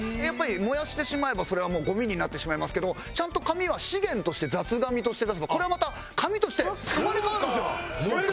やっぱり燃やしてしまえばそれはもうゴミになってしまいますけどちゃんと紙は資源として雑紙として出せばこれはまた紙として生まれ変わるんですよ。